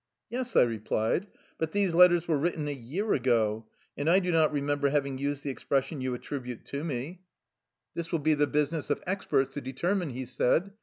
"" Yes," I replied, " but these letters were writ ten a year ago, and I do not remember having used the expression you attribute to me." 70 THE LIFE STORY OF A RUSSIAN EXILE " This will be the business of experts to deter mine," he said.